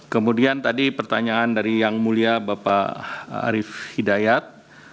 kemudian tadi pertanyaan dari yang mulia bapak arief hidayat